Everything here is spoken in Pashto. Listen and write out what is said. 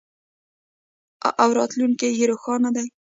او راتلونکی یې روښانه دی.